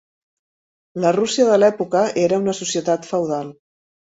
La Rússia de l'època era una societat feudal.